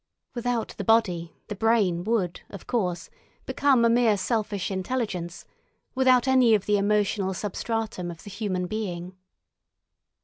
Without the body the brain would, of course, become a mere selfish intelligence, without any of the emotional substratum of the human being.